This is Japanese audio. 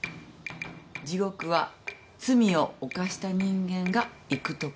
地獄は罪を犯した人間が行く所。